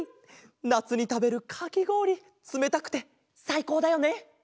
なつにたべるかきごおりつめたくてさいこうだよね。